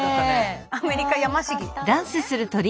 アメリカヤマシギですね。